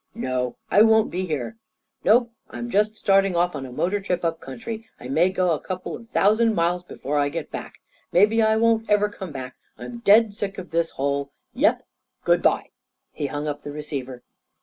No, I won't be here. Nope. I'm just starting off on a motor trip up country. I may go a couple of thousand miles before I get back. Maybe I won't ever come back. I'm dead sick of this hole. Yep. Good bye." He hung up the receiver.